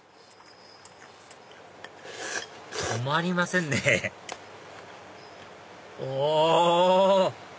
止まりませんねお！